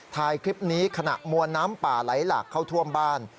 ถ่ายคลิปนี้ขณะมวลน้ำป่าไหลหลากเข้าท่วมบ้าน